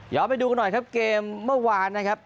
ไปดูกันหน่อยครับเกมเมื่อวานนะครับ